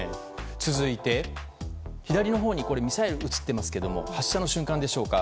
続いて、左のほうにミサイルが写っていますけど発射の瞬間でしょうか。